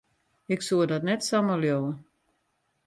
Ik soe dat net samar leauwe.